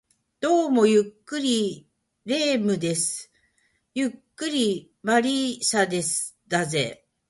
どうも、ゆっくり霊夢です。ゆっくり魔理沙だぜ